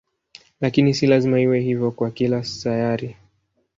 Lakini si lazima iwe hivyo kwa kila sayari.